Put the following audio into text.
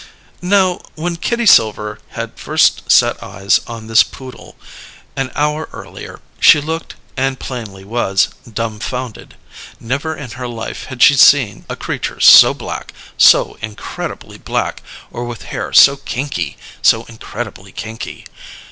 Now, when Kitty Silver had first set eyes on this poodle, an hour earlier, she looked, and plainly was, dumfounded. Never in her life had she seen a creature so black, so incredibly black, or with hair so kinky, so incredibly kinky.